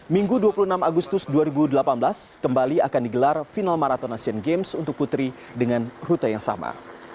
minggu dua puluh enam agustus dua ribu delapan belas kembali akan digelar final marathon asian games untuk putri dengan rute yang sama